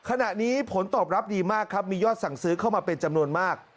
ขณะนี้ผลตอบรับดีมากครับมียอดสั่งซื้อเข้ามาเป็นจำนวนมาก